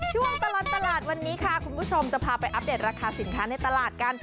ช่วงตลอดตลาดวันนี้ค่ะคุณผู้ชมจะพาไปอัปเดตราคาสินค้าในตลาดกัน